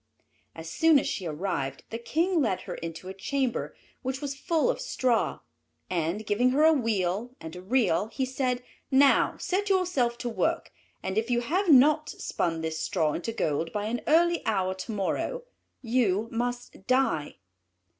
As soon as she arrived the King led her into a chamber which was full of straw; and, giving her a wheel and a reel, he said, "Now set yourself to work, and if you have not spun this straw into gold by an early hour to morrow, you must die."